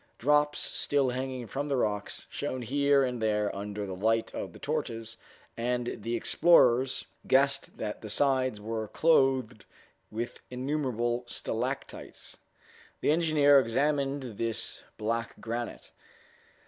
Drops, still hanging from the rocks, shone here and there under the light of the torches, and the explorers guessed that the sides were clothed with innumerable stalactites. The engineer examined this black granite.